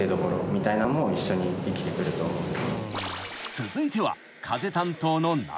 ［続いては］